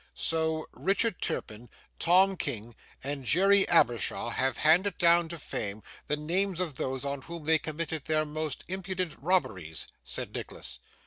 'So Richard Turpin, Tom King, and Jerry Abershaw have handed down to fame the names of those on whom they committed their most impudent robberies?' said Nicholas.